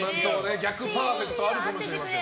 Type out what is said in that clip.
逆パーフェクトあるかもしれません。